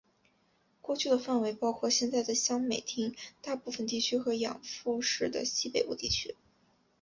过去的范围包括现在的香美町大部分地区和养父市的西北部地区。